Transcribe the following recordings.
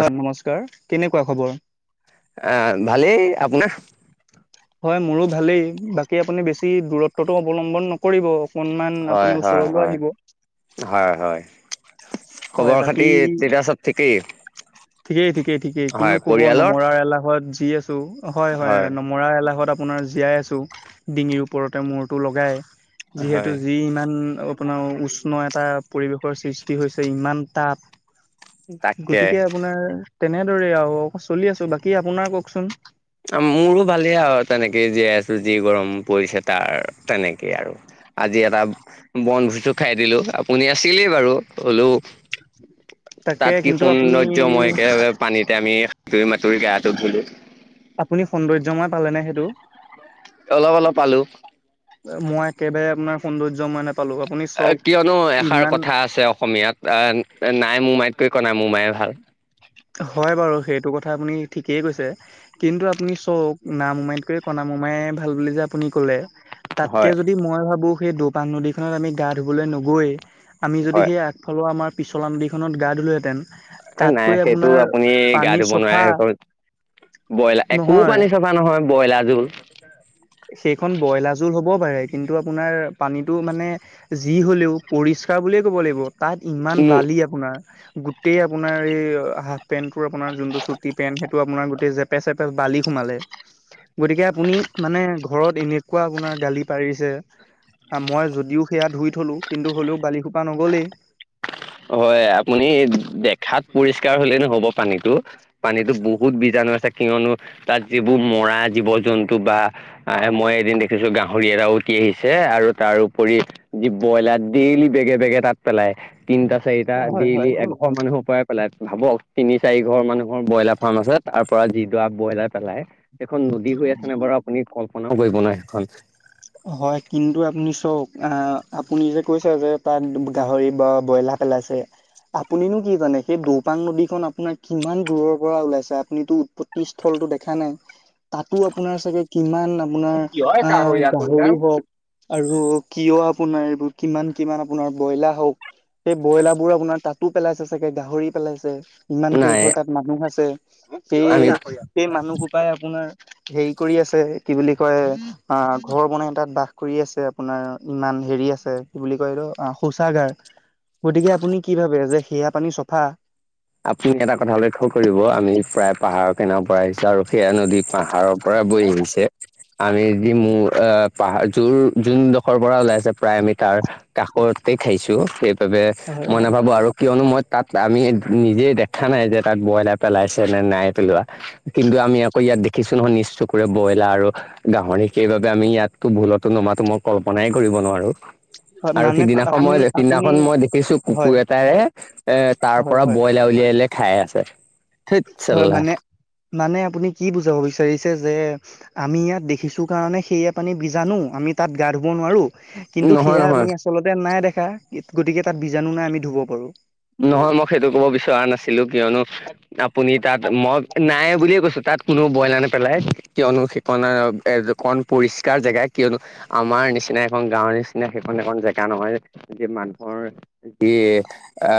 হয় নমস্কাৰ। কেনেকুৱা খবৰ? আহ ভালেই। আপোনাৰ? হয় মোৰো ভালেই। বাকী আপুনি বেছি দূৰত্বটো অৱলম্বন নকৰিব। অকনমান আপুনি হয় হয় ওচৰলৈ হয় আহিব হয় হয়। হয় খবৰ বাকী খাতি তেতিয়া চব ঠিকেই? ঠিকেই ঠিকেই ঠিকেই কিনো হয় কব পৰিয়ালৰ? নমৰাৰ এলাহত। যি আছো, হয় হয় নমৰা এলাহত আপোনাৰ জীয়াই আছো। আ ডিঙিৰ ওপৰতে মূৰটো লগাই। যিহেতু হয় যি ইমান আপোনাৰ উষ্ণ এটা পৰিৱেশৰ সৃষ্টি হৈছে। ইমান তাপ। তাকে গতিকে আপোনাৰ তেনেদৰে আৰু অ চলি আছো। বাকী আপোনাৰ কওকচোন। মোৰো ভালেই আৰু তেনেকেই জীয়াই আছো, যি গৰম পৰিছে তাৰ তেনেকেই আৰু। আজি এটা বনভোজো খাই দিলো। আপুনি আছিলেই বাৰু হলও, তাকে তাত কি কিন্তু আপুনি সৌন্দৰ্যময় একে পানীতে আমি সতুৰি মাতুৰি গাটো ধুলো। আপুনি সৌন্দৰ্যময় পালেনে সেইটো? অলপ অলপ পালো মই একেবাৰে আপোনাৰ সৌন্দৰ্য মানে, কিয়নো, এষাৰ কথা আছে অসমীয়াত আহ নাই মোৰ মাইতকৈ কনাম মোমায়ে ভাল। তু কথা আপুনি ঠিকেই কৈছে, কিন্তু আপুনি চওব নাম মেতকয়ি কনা মোমায়ে ভাল বুলি যে আপুনি কলে তাতকে হয় যদি মই ভাবো, সেই দোপান নদীখনত আমি গা ধুবলৈ নগৈ আমি যদি হয় সেই আগফালৌ আমাৰ পিছলা নদিখনত গাঁ ধুলোহেঁতেন, এ নাই তাতকৈ সেইটো আপোনাৰ আপুনি গা পানী ধুব চফা নোৱাৰে সেক। ব্ৰইলা একো নহয় পানী চফা নহয় ব্ৰইলাৰ জোল। সেইখন ব্ৰইলাৰ জোল হ'ব পাৰে কিন্তু আপোনাৰ পানীতটো মানে যি হলেও পৰিচ স্কা বুলিয়ে ক'ব লাগিব তাত ইমান নো বালি আপোনাৰ গোটেই আপোনাৰ এই অ হা পেনটোৰ আপোনাৰ জোনটো ছুটি পেনট সেটো আপোনাৰ। গোটেই জেপে চেপে বালি সোমালে গতিকে, আপুনি মানে ঘৰত এনেকুৱা আপোনাৰ গালি পাৰিছে। মই যদিও সেয়া ধুই থলো কিন্তু হলেও বালি সো হয়, আপুনি দেখাত পৰিষ্কাৰ হলেই নহ'ব পানীতো পানীতো বহুত বীজাণু আ কিয়নো তাত যিবোৰ মৰা জীৱ জন্তু বা মই এদিন দেখিছো গাহৰি এৰাও। তিএইছে আৰু তাৰউপৰি যি ব্ৰইলাত ডেইলি বেগে বেগে তাত পেলাই তিনটা চাৰিটা হয় হয় ডেইলি এশ মানুহৰ পৰা পেলাই ভাবক তিনি চাৰি ঘৰ মানুহৰ ব্ৰইলাৰ ফাৰ্ম আছে তাৰ পৰা যিডৰা ব্ৰইলাৰ পেলাই সেইখন নদী হৈ আছে নে বাৰু আপুনি কল্পনাও কৰিব নোৱাৰে সেইখন। হয়, কিন্তু আপুনি চওক আঁ আপুনি যে কৈছে যে তাত গাহৰি বা ব্ৰইলাৰ পেলাইছে। আপুনিনো কি জানে। সেই দৌপাং নদীখন আপোনাৰ কিমান দূৰৰ পৰা ওলাইছে আপুনিতো উৎপত্তি স্থল টো দেখা নাই। তাতো আপোনাৰ চাগে কিমান আপোনাৰ কিহৰ আহ কাষৰীয়া কৰিলা? গাহৰি হওঁক আৰু কিয় আপোনাৰ এইবোৰ কিমান কিমান আপোনাৰ ব্ৰইলাৰ হওক সেই ব্ৰইলাৰ বোৰ আপোনাৰ তাত টো পেলাইছে চাগে গাহৰি পেলাইছে ইমান নাই কেইঘৰ তাত মানুহ আছে। পেই আমি পেই মানুহবোৰ পাই আপোনাৰ হেৰি কৰি আছে কি বুলি কয় আ ঘৰ বনাই তাত বাস কৰি আছে আপোনাৰ ইমান হেৰি আছে কি বুলি কয় এইটো অ শৌচাগাৰ। গতিকে আপুনি কি ভাৱে যে সেয়া পানী চফা। আপুনি এটা কথা লক্ষ্য কৰিব আমি প্ৰায় পাহাৰৰ কিনাৰ পৰা আহিছো আৰু সেয়া নদী পাহাৰ পাহাৰৰ পৰা বৈ আহিছে আমি ই মোৰ আহ পাহাৰ যোৰ যোনডোখৰ পৰা ওলাই আছে প্ৰায় আমি তাৰ কাষৰত তে খাইছো সেইবাবে হয় মই হয় নাভাবো আৰু কিয়নো মই তাত আমি নিজে দেখা নাই যে তাত ব্ৰইলাৰ পেলাইছে নে নাই পেলোৱা কিন্তু, আমি আকৌ ইয়াত দে খিছু নহয় নিজ চকুৰে বইলা আৰু গাহৰি সেই বাবে আমি ইয়াতো ভুলতো নমাতো মই কল্পনাই কৰিব নোৱাৰো। আৰু মানে সিদিনাখন আপুনি মই আপুনি সিদিনাখন মই দেখিছো হয় কুকুৰ এটাৰে এ তাৰ হয় পৰা হয় বইলা উলিয়াই উলিয়ায় খাই আছে। ধেত হয় চাল্লা মানে মানে আপুনি কি বুজাব বিচাৰিছে। যে আমি ইয়াত দেখিছোঁ কাৰণে সেইয়া পানী বীজাণো আমি তাত গা ধুব নোৱাৰো কিন্তু, নহয় সেয়া নহয় আমি আচলতে নাই দেখা গতিকে তাত বীজাণু নাই আমি ধুব পাৰো। নহয় মই সেইটো ক'ব বিচৰা নাছিলো, কিয়নো আপুনি তাত মই নাই বুলিয়ে কৈছো তাত। তাত কোনো বইলাৰ নেপেলাই কিয়নো সিপনা এ কন পৰিষ্কাৰ জেগা কিয়নো আমাৰ নিচিনা এখন গাঁওৰ নিচিনা সেইখন এখন জেগা নহয় যে, মানুহৰ যি এ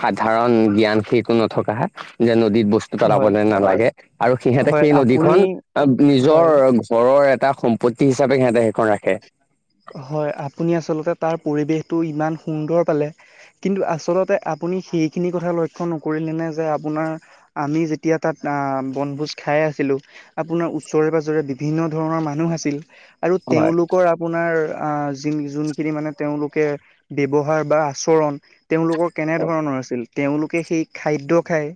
সাধাৰণ জ্ঞান খিকো নথকা যেনো দীত বস্তু হয় পেলাবলে নালাগে আৰু সিহঁতে হয় সেই আপুনি নদীখন বীজৰ হয় ঘৰৰে এটা সম্পত্তি হিচাপে সিহঁতে সেইখন ৰাখে। হয়, আপুনি আচলতে তাৰ পৰিৱেশটো ইমান সুন্দৰ পালে। কিন্তু, আচলতে আপুনি সেইখিনি কথা লক্ষ নকৰিলে নে যে আপোনাৰ আমি যেতিয়া তাত আহ বনভোজ খাই আছিলো। আপোনাৰ ওচৰে-পাজৰে বিভিন্ন ধৰণৰ মানুহ আছিল। আৰু হয় তেওঁলোকৰ আপোনাৰ আহ যি জোনখিনি মানে তেওঁলোকে ব্যৱহাৰ বা আচৰণ তেওঁলোকৰ কেনে ধৰণৰ আছিল? তেওঁলোকে সেই খাদ্য খাই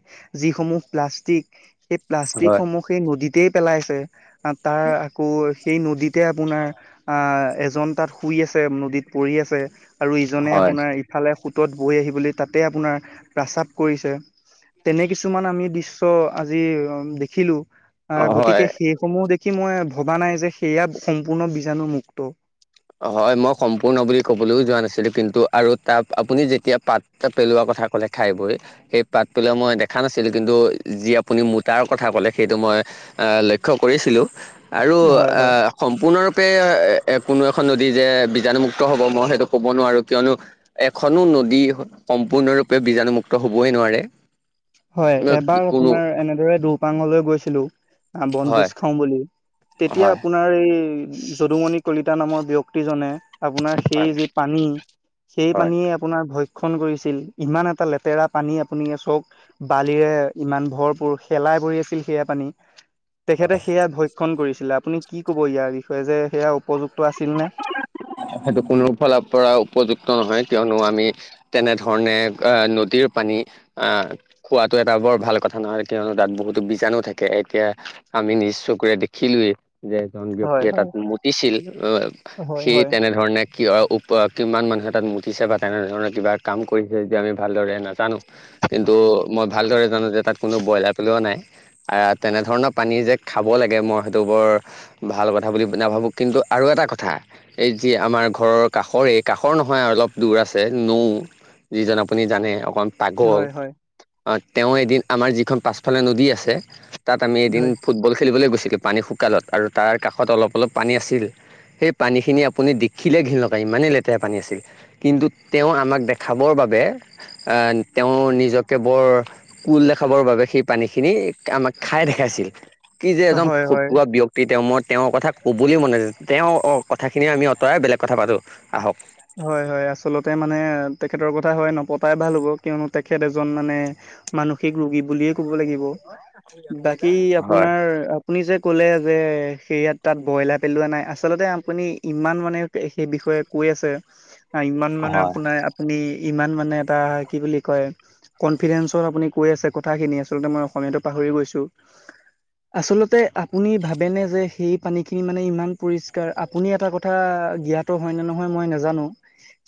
যি সমূহ প্লাষ্টিক সেই হয় প্লাষ্টিকসমূহ সেই নদীতেই পেলাইছে। অ তাৰ আকৌ সেই নদীতে আপোনাৰ এজন তাত শুই আছে, নদীত পৰি আছে। আৰু ইজনে হয় আপোনাৰ ইফালে সোঁতত বৈ আহিবলৈ তাতে আপোনাৰ প্ৰস্ৰাৱ কৰিছে। তেনে কিছুমান আমি দৃশ্য আজি দেখিলো। আৰু হয় গতিকে সেইসমূহ দেখি মই ভবা নাই যে সেয়া সম্পূৰ্ণ বীজাণু মু মুক্ত। হয় মই সম্পূৰ্ণ বুলি ক'বলৈও যোৱা নাছিলো। কিন্তু আৰু তাত আপুনি যেতিয়া পাত পেলোৱা কথা ক'লে খাই বৈ সেই পাতটোলৈ মই দেখা নাছিলো। কিন্তু যি আপুনি মূতাৰ কথা ক'লে সেইটো মই আহ লক্ষ্য কৰিছিলো আৰু হয় হয় আহ সম্পূৰ্ণৰূপে কোনো এখন নদী যে বীজাণুমুক্ত হ'ব মই সেইটো ক'ব নোৱাৰো। কিয়নো এখনো নদী সম্পূৰ্ণ সম্পূৰ্ণৰূপে বীজাণুমুক্ত হ'বই নোৱাৰে। হয় এবাৰ কোনো আপোনাৰ এনেদৰে দুপাঙলৈ গৈছিলো। বনভোজ হয় খাও বুলি। তেতিয়া হয় আপোনাৰ এই যদুমণি কলিতা নামৰ ব্যক্তিজনে আপোনাৰ সেই যি পানী সেই হয় পানীয়ে আপোনাৰ ভ ভক্ষণ কৰিছিল ইমান এটা লেতেৰা পানী আপুনি চক বালিৰে ইমান ভৰপূৰ শেলাই পৰি আছিল সেয়া পানী। তেখেতে সেয়া ভক্ষণ কৰিছিলে। আপুনি কি কব ইয়াৰ বিষয়ে যে সেয়া উপযুক্ত আছিল নে সেইটো কোনো ফালৰ পৰা উপযুক্ত নহয় কিয়নো আমি তেনে ধৰণে নদীৰ পানী আহ খোৱাাতটো এটা বৰ ভাল কথা নহয়। কিয়নো তাত বহুতো বীজাণু থাকে এতিয়া আমি নি চকুৰে দেখিলোয়েই। যে এজন হয় ব্যক্তিয়ে তাত হয় মুতিছিল। হয় সেই হয় তেনেধৰণে কিয় কিমান মানুহে তাত মুতিছে বা তেনেধৰণৰ কিবা কাম কৰিছে। যদিও আমি ভালদৰে নাজানো। কিন্তু মই ভালদৰে জানো যে তাত কোনো ব্ৰইলাৰ পলোৱা নাই। আহ তেনেধৰণৰ পানী যে খাব ক'ব লাগে মই সেইটো বৰ ভাল কথা বুলি নাভাবোঁ কিন্তু আৰু এটা কথা। এই যি আমাৰ ঘৰৰ কাষৰে কাষৰ নহয় অলপ দূৰ আছে নৌ যিজন আপুনি জানে অকণমান হয় হয়। অ তেওঁ এদিন আমাৰ যিখন পাছফালে নদী আছে। তাত আমি এদিন হয় ফুটবল খেলিবলৈ গৈছিলোঁ গতিকে পানী শুকালত আৰু তাৰ কাষত অলপ অলপ পানী আছিল। সেই পানীখিনি আপুনি দেখিলে ঘিন লগা। ইমানে লেতেৰা পানী আছিল কিন্তু তেওঁ আমাক দেখাবৰ বাবে তেওঁ নিজকে বৰ কুল দেখাবৰ বাবে সেই পানীখিনি আমাক খাই দেখাইছিল। কি যে এজন হয় হয় ফটোৱা ব্যক্তি। তেওঁ মই তেওঁৰ কথা কবলৈ মনে যোৱা নাই তেওঁ কথাখিনি আমি আঁতৰাই বেলেগ কথা পাতো আহক। হয় হয় আচলতে মানে। তেখেতৰ কথা হৈ নপতাই ভাল হ'ব। কিয়নো তেখেত এজন মানে মানসিক ৰোগী বুলিয়ে ক'ব লাগিব। বাকী হয় আপোনাৰ আপুনি যে ক'লে যে সেয়াত তাত ব্ৰইলাৰ পেলোৱা নাই। আচলতে আপুনি ইমান মানে সেই বিষয়ে কৈ আছে ইমান মানে হয় আপোনাৰ আপুনি ইমান মানে এটা কি বুলি কয় কনফিডেঞ্চত আপুনি কৈ আছে কথাখিনি আচলতে মই অসমীয়াতটো পাহৰি গৈছো আচলতে আপুনি ভাবেনে যে সেই পানীখিনি মানে ইমান পৰিষ্কাৰ। আপুনি এটা কথা ভাবে নে? জ্ঞাতো হয় নে নহয় মই না নাজানো।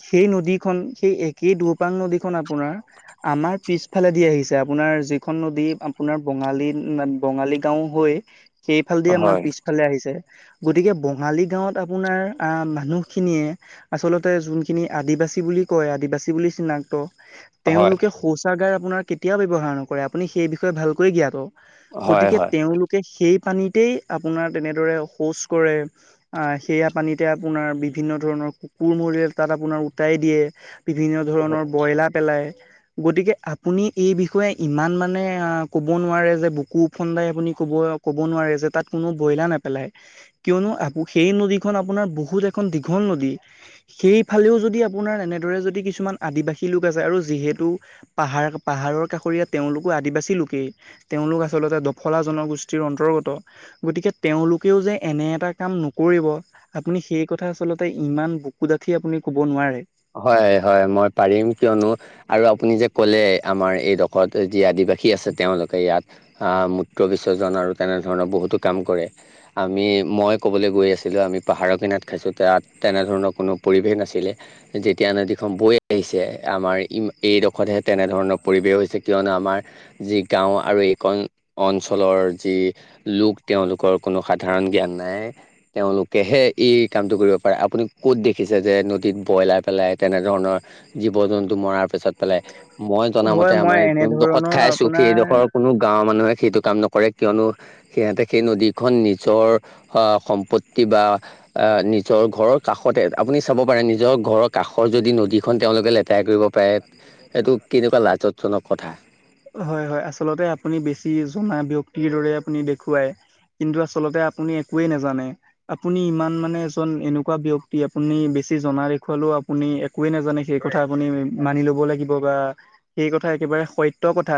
সেই নদীখন সেই একে দুপাং নদীখন আপোনাৰ। আমাৰ পিছালে নি আহিছে। আপোনাৰ যিখন নদী আপোনাৰ বঙালী বঙালী গাও হৈ সেইফালদি আমাৰ হয় পিছফালে আহিছে। গতিকে বঙালী গাঁৱত আপোনাৰ আহ মানুহখিনিয়ে আচলতে যোনখিনি আদিবাসী বুলি কয় আদিবাসী বুলি চিনাক্ত তেওঁলোকে শৌচাগাৰ কেতিয়াও ব্যয়ৱহাৰ নক আপুনি সেই বিষয়ে ভালকৈ জ্ঞাত হয় গতিকে হয় তেওঁলোকে সেই পানীতেই আপোনাৰ তেনেদৰে শৌচ কৰে সেয়া পানীতে আপোনাৰ বিভিন্ন ধৰণৰ কাপোৰ মৰিলে তাত আপোনাৰ উটাই দিয়ে বিভিন্ন ধৰণৰ ব্ৰইলাৰ পেলাই। গতিকে আপুনি এই বিষয়ে ইমান মানে আহ ক'ব নোৱাৰে যে বুকুফন্দাই আপুনি ক'ব কব নোৱাৰে যে তাত কোনো বইলাৰ নেপেলাই কিয় নো সেই নদীখন আপোনাৰ বহু ঘল নদী সেইফালেও যদি আপোনাৰ এনেদৰে যদি কিছুমান আদিবাসী লোক আছে আৰু যিহেতু পাহাৰ ত পাহাৰৰ কাষৰীয়া তেওঁলোকো আদিবাসী লোকেই, তেওঁলোক আচলতে দফলা জনগোষ্ঠীৰ অন্তৰ্গত গতিকে তেওঁলোকেও যে এনে এটা কাম নকৰিব আপুনি সেই কথা আচলতে ইমান বুকু দাঠি আপুনি ক'ব নোৱাৰে। হয় হয় হয় মই পাৰিম কিয়নো আৰু আপুনি যে ক'লে আমাৰ এইডোখৰত জীয় দিব বাসী আছে তেওঁলোকে ইয়াত মূত্ৰ বিসৰ্জন আৰু তেনেধৰণৰ বহুতো কাম কৰে, আমি মই ক'বলৈ গৈ আছিলো আমি পাহাৰৰ কিনাত খাইছো তাত তেনেধৰণৰ কোনো পৰিবেশ নাছিলে। যেতিয়া নদীখন বৈ আহিছে আমাৰ ই এইডোখৰতহে তেনেধৰণৰ পৰিৱেশ হৈছে কিয়নো আমাৰ যি গাও আৰু এই অঞ্চলৰ যি লোক তেওঁলোকৰ কোনো সাধাৰণ জ্ঞান নাই তেওঁলোকেহে এই কামটো কৰিব পাৰে, আপুনি ক'ত দেখিছে যে নদীত ব্ৰইলাৰ পেলাই তেনেধৰণৰ জীৱ জন্তু মৰাৰ পিছত পেলাই মই হয় জনামতে মই আমাৰ যোনডোখৰত এনেধৰণৰ খাইছো আপোনাৰ সেইডোখৰ কোনো গাঁৱৰ মানুহে সেইটো কাম নকৰে কিয়নো সিহঁতে সেই নদীখন নিজৰ সম্পত্তি বা আহ নিজৰ ঘৰৰ কাষতে আপুনি চাব পাৰে নিজৰ ঘৰৰত কাষৰ যদি নদীখন তেওঁলোকে লেতেৰা কৰিব পাৰে এইটো কেনেকুৱা লাজতজনক কথা হয় হয় আচলতে আপুনি বেছি জনা ব্যক্তিৰ দৰে আপুনি দেখুৱাই। কিন্তু আচল্ততে আপুনি একোৱে নাজানে আপুনি ইমান মানে এজন এনেকুৱা ব্যক্তি আপুনি বে জনা দেখুৱালে আপুনি একোৱে নাজানে সেই কথা আপুনি মানি ল'ব লাগিব বা সেই কথা একেবাৰে সত্যৰ কথা।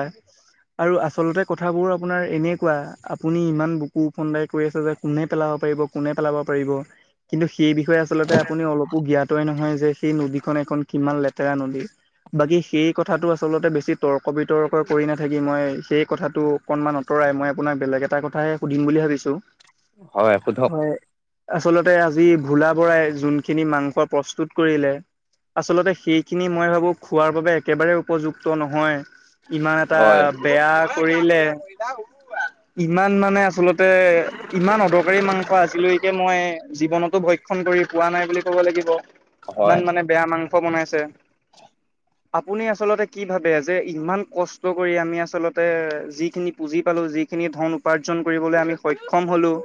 আৰু আচলতে কথাবোৰ আপোনাৰ এনেকুৱা আপুনি ইমান বুকু ফন্দাই কৰি আছে যে কোনে পেলাবক কোনে পেলাব পাৰিব কিন্তু সেই বিষয়ে আচলতে আপোনাৰ জ্ঞাত নহয়। এখন কিমান লেতেৰা নদী বাকী সেই কথাটো আচলতে বেছি তৰ্ কবিতৰ্ক কৰি নাথাকি মই সেই কথাটো অকনমান আঁতৰাই মই আপোনাক বেলেগ এটা কথাহে সুধিম বুলি ভাবিছোঁ। হয় সোধক। আচলতে আজি ভোলা বৰাই যোনখিনি মাংস প্ৰস্তুত কৰিলে। আচলতে সেইখিনি মই ভাবো খোৱাৰ বাবে একেবাৰে উপযুক্ত নহয়। ইমান এটা হয় বেয়া কৰিলে ইমান মানে আচলতে, ইমান অদৰকাৰী মাংস আজিলৈকে মই, জীৱনতো ভক্ষণ কৰি পোৱা নাই বুলি ক'ব লাগিব হয় ইমান মানে বেয়া মাংস। বনাইছে আপুনি আচলতে কি ভাবে যে ইমান কষ্ট কৰি আমি আচলতে যিখিনি পুঁজি পালোঁ যিখিনি ধন উপাৰ্জন কৰিবলৈ আমি, সক্ষম হ'লোঁ।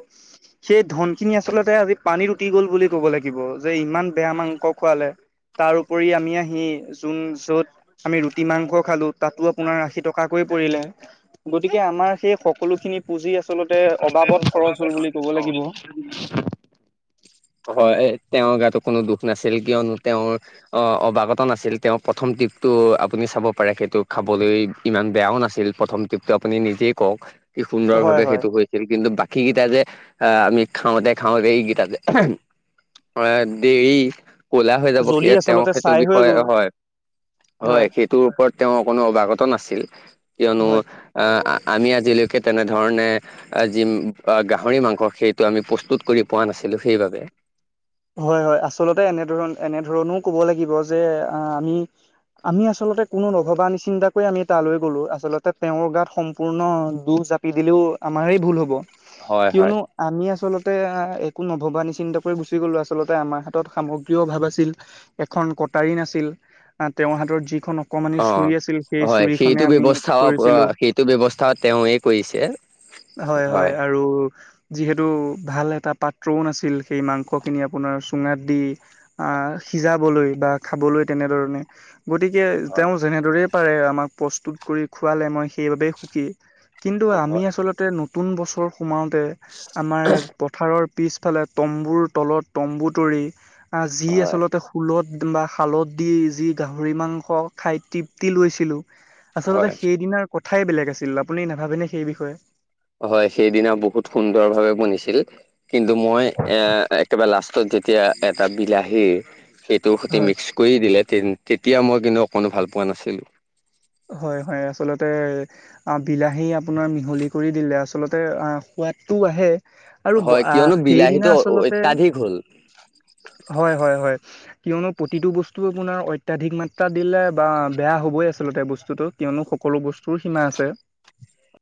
সেই ধন খিনি আচলতে আজি পানীত উটি গল বুলি ক'ব লাগিব যে ইমান বেয়া মাংস খোৱালে, তাৰপৰি আমি আহি যোন য'ত আমি ৰুটি মাংস খালো তাতো আপোনাৰ আশী টকাকৈ পৰিলে গতিকে আমাৰ সেই, সকলো খিনি পুজি আছে। [unintelligible] হয় তেওঁৰ গাতো কোনো দুখ নাছিল কিয়নো তেওঁৰ অ অৱাগত নাছিল তেওঁ প্ৰথম টিপটো আপুনি চাব পাৰে সেইটো খাবলৈ ইমান বেয়াও নাছিল। প্ৰথম টিপটো নিজে কওক কি সুন্দৰ হয় ভাৱেই হয়। ছিল কিন্তু বাকী কেইটা যে আহ আমি খাওঁতে খাওঁতে এইকেইটা যে হয় দেই। কলা হৈ যাব সে জ্বলি তেওঁ আচলতে সেইটো ছাই হৈ বিষয়ে গ'ল হয় হয় সেইটোৰ ওপৰত তেওঁ অকনো অৱাগত নাছিল কিয়নো হয় আহ আমি আজিলৈকে তেনেধৰণে যি গাহৰি মাংস সেইটো আমি প্ৰস্তুত কৰি পোৱা নাছিলো সেইবাবে হয় হয় আচলতে এনেধৰণ এনেধৰণো ক'ব লাগিব যে আমি আমি আচলতে কোনো নভবা নিচিন্তা কৈ আমি তোলৈ গলো আচলতে তেওঁৰ গাত সম্পূৰ্ণ দুচ জাপি দিলেও আমাৰেই ভুল হ'ব। হয় হয় কিয়নো আমি আচলতে একো নভবা নিচিন্তা কৈ গুচ গলো আচলতে আমাৰ হাতত সামগ্ৰী অভাৱ আছিল এখন কটাৰী নাছিল। তেওঁৰ হাতৰ যি খন অকমানি অ চুৰি আছিল সেই হয় চুৰিখনে সেইটো আমি ব্যৱস্থাও কৰিছিলো। সেইটো ব্যৱস্থা তেওঁৱে কৰিছে হয় হয় আৰু যিহেতু ভাল এটা পাত্ৰও নাছিল সেই মাংসক আপোনাৰ চুঙাত দি সিজাবলৈ বা খাবলৈ তেনেধৰণে গতিকে হয় তেওঁ যেনেদৰেই পাৰে আমাক প্ৰস্তুত কৰি খোৱালে মই সেইবাবেই সুখী। কিন্তু আমি হয় আচলতে নতুন বছৰ সোমাওতে আমাৰ পথাৰৰ পিছফালে তম্বুৰ তলত তম্বু তৰি যি হয়। আচলতে শুলত। বা শালত দি যি গাহৰি মাংস খাই তৃপ্তি লৈছিলো। হয় আচলতে সেইদিনাৰ কথাই বেলেগ আছিল আপুনি নাভাবেনে সেই বিষয়ে। হয় সেইদিনা বহুত সুন্দৰ ভাৱে বনিছিল কিন্তু মই এ একেবাৰে লাষ্ট তত যেতিয়া এটা বিলাহী সেইটোৰ সৈতে হয় মিক্স কৰি দিলে। তে তেতিয়া মই কিন্তু অকণো ভাল পোৱা নাছিলোঁ। হয় হয় আচলতে বিলাহী আপোনাৰ মিহলি কৰি দিলে আচলতে সোৱাদটো আহে আৰু হয় আহ কিয়নো সেইদিনা বিলাহীটো আচলতে অত্যাধিক হ'ল হয় হয় হয়। কিয়নো প্ৰতিটো বস্তু আপোনাৰ অত্যাধিক মাত্ৰা দিলে বা বেয়া হবই আচলতে বস্তু বস্তুটো কিয়নো সকলো বস্তুৰ সীমা আছে।